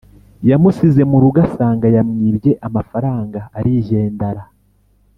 Yamusize murugo asanga yamwibye amafaranga arijyendara